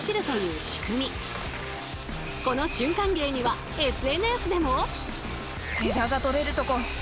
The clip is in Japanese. この瞬間芸にはＳＮＳでも。